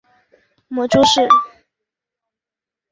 母朱氏。